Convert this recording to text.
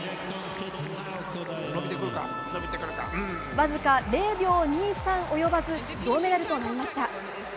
わずか０秒２３及ばず銅メダルとなりました。